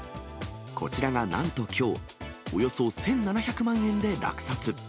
こちらがなんときょう、およそ１７００万円で落札。